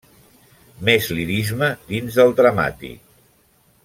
Més lirisme dins del dramàtic.